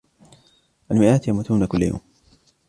المئات يموتون كل يوم.